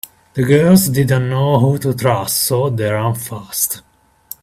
The girls didn’t know who to trust so they ran fast.